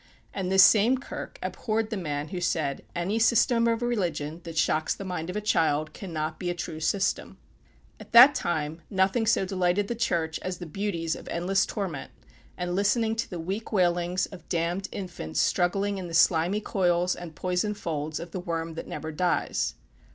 And this same Kirk abhorred the man who said, "Any system of religion that shocks the mind of a child cannot be a true system." At that time nothing so delighted the Church as the beauties of endless torment, and listening to the weak wailings of damned infants struggling in the slimy coils and poison folds of the worm that never dies.